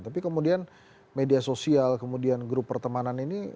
tapi kemudian media sosial kemudian grup pertemanan ini